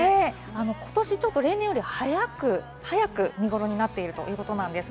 今年、例年より早く見頃になっているということです。